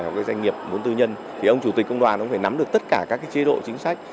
của doanh nghiệp muốn tư nhân thì ông chủ tịch công đoàn cũng phải nắm được tất cả các chế độ chính sách